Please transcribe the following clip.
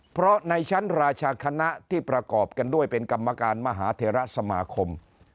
เพราะในชั้นราชาคณะที่ประกอบกันด้วยเป็นกรรมการมหาเทราสมาคม